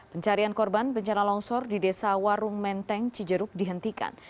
pencarian korban bencana longsor di desa warung menteng cijeruk dihentikan